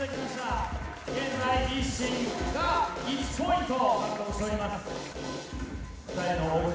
現在ＩＳＳＩＮが１ポイント獲得しております。